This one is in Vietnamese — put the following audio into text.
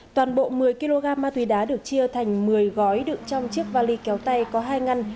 toàn bộ một mươi kg ma túy đá được chia thành một mươi gói đựng trong chiếc vali kéo tay có hai ngăn